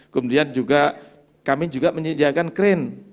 kemudian juga kami juga menyediakan crane